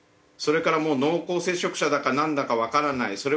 それからもう濃厚接触者だかなんだかわからない。